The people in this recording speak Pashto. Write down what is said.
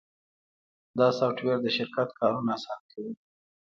دا سافټویر د شرکت کارونه اسانه کوي.